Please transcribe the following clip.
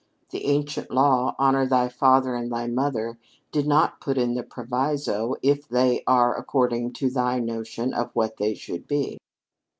The ancient law, "Honor thy father and thy mother," did not put in the proviso, "if they are according to thy notion of what they should be."